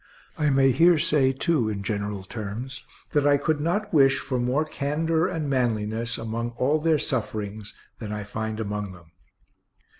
I may here say, too, in general terms, that I could not wish for more candor and manliness, among all their sufferings, than I find among them.